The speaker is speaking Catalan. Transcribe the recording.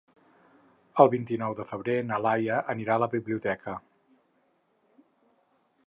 El vint-i-nou de febrer na Laia anirà a la biblioteca.